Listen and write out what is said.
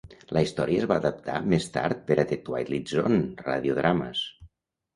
La història es va adaptar més tard per a "The Twilight Zone Radio Dramas".